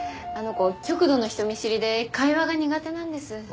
あの子極度の人見知りで会話が苦手なんです。